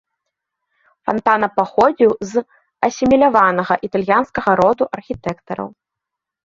Фантана паходзіў з асіміляванага італьянскага роду архітэктараў.